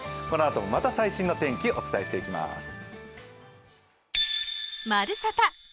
このあとも、また最新の天気お伝えしていきます。